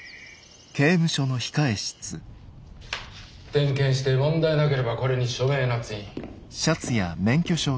点検して問題なければこれに署名捺印。